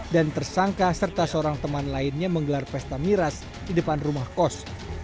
tersangka serta seorang teman lainnya menggelar pesta miras di depan rumah kos